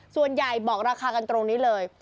ส่วนใหญ่บอกราคากันตรงนี้เลย